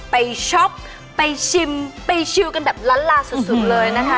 ช็อปไปชิมไปชิลกันแบบล้านลาสุดเลยนะคะ